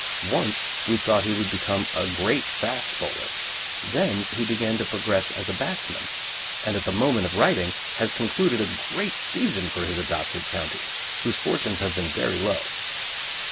Once we thought he would become a great fast bowler, then he began to progress as a batsman, and at the moment of writing has concluded a great season for his adopted county, whose fortunes have been very low.